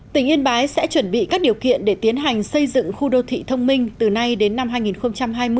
tỉnh yên bái sẽ chuẩn bị các điều kiện để tiến hành xây dựng khu đô thị thông minh từ nay đến năm hai nghìn hai mươi